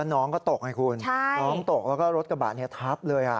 น้องตกแล้วก็รถกระบะเนี่ยทับเลยอ่ะ